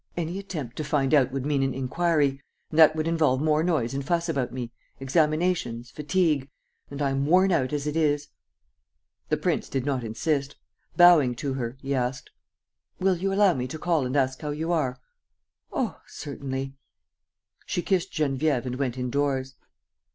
.." "Any attempt to find out would mean an inquiry; and that would involve more noise and fuss about me, examinations, fatigue; and I am worn out as it is." The prince did not insist. Bowing to her, he asked: "Will you allow me to call and ask how you are?" "Oh, certainly. ..." She kissed Geneviève and went indoors.